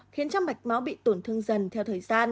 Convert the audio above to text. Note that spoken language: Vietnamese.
khiến cho mạch máu bị tổn thương dần theo thời gian